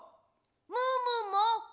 ムームーも！